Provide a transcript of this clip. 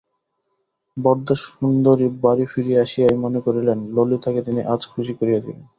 বরদাসুন্দরী বাড়ি ফিরিয়া আসিয়াই মনে করিলেন, ললিতাকে তিনি আজ খুশি করিয়া দিবেন।